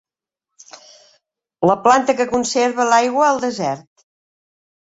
La planta que conserva l'aigua al desert.